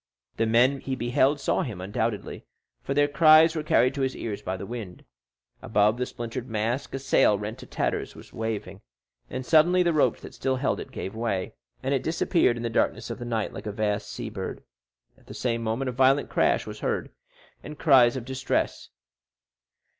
The men he beheld saw him undoubtedly, for their cries were carried to his ears by the wind. Above the splintered mast a sail rent to tatters was waving; suddenly the ropes that still held it gave way, and it disappeared in the darkness of the night like a vast sea bird. At the same moment a violent crash was heard, and cries of distress.